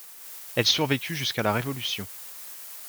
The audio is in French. Elle survécut jusqu’à la Révolution.